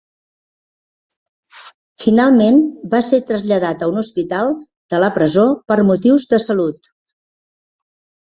Finalment va ser traslladat a un hospital de la presó per motius de salut.